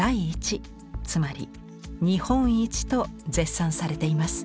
つまり日本一と絶賛されています。